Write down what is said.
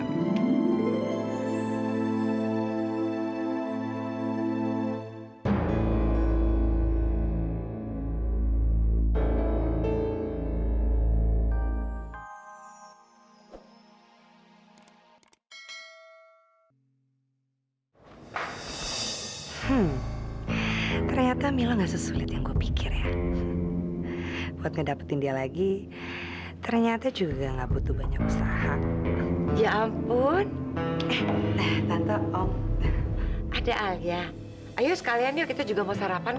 kepercayaan itu prinsip buat papah